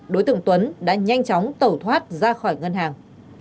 đối tượng tuấn đã nhanh chóng tẩu thoát ra khỏi ngân hàng